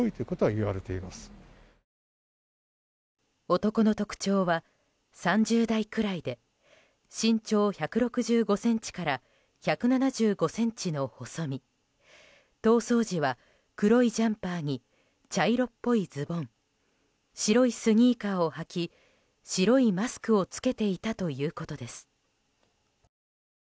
男の特徴は３０代くらいで身長１６５ｃｍから１７５ｃｍの細身逃走時は黒いジャンパーに茶色っぽいズボン白いスニーカーを履き白いマスクを着けていたということです。